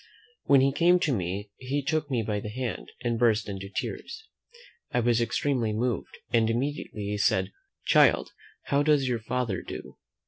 When he came up to me, he took me by the hand, and burst into tears. I was extremely moved, and immediately said, "Child, how does your father do?"